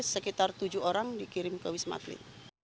sekitar tujuh orang dikirim ke wismatli